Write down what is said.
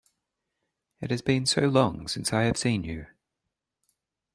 It has been so long since I have seen you!